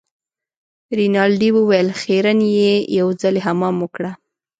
رینالډي وویل خیرن يې یو ځلي حمام وکړه.